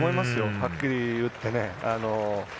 はっきり言ってね。